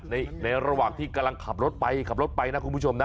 ในระหว่างที่กำลังขับรถไปขับรถไปนะคุณผู้ชมนะ